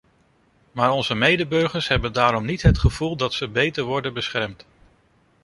Maar onze medeburgers hebben daarom niet het gevoel dat ze beter worden beschermd.